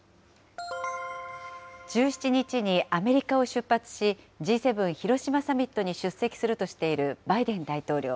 １７日にアメリカを出発し、Ｇ７広島サミットに出席するとしているバイデン大統領。